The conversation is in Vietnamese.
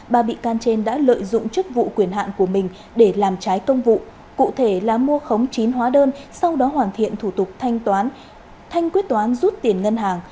ba bị can trên đã lợi dụng chức vụ quyền hạn của mình để làm trái công vụ cụ thể là mua khống chín hóa đơn sau đó hoàn thiện thủ tục thanh quyết toán rút tiền ngân hàng